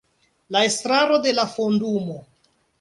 La Estraro de la Fondumo.